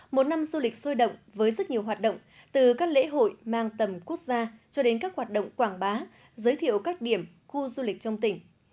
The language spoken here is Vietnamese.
một năm du lịch sôi động với rất nhiều hoạt động từ các lễ hội mang tầm quốc gia cho đến các hoạt động quảng bá giới thiệu các điểm khu du lịch trong tỉnh